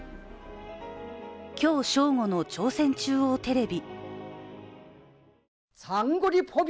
今日正午の朝鮮中央テレビ。